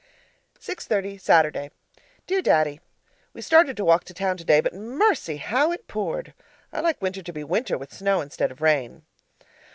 6.30, Saturday Dear Daddy, We started to walk to town today, but mercy! how it poured. I like winter to be winter with snow instead of rain.